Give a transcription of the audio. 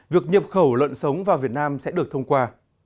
việc nhập khẩu lợn sống vào việt nam sẽ được thông qua